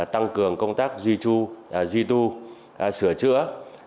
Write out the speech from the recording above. tăng cường công tác duy tu sửa chữa